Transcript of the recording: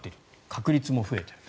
確率も増えている。